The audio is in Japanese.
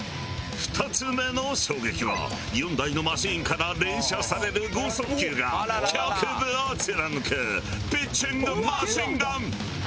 ２つ目の衝撃は４台のマシンから連射される剛速球が局部を貫くピッチングマシンガン。